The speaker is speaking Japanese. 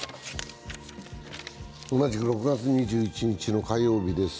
同じく６月２１日の火曜日です